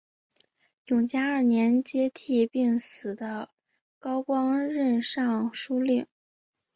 永嘉二年接替病死的高光任尚书令。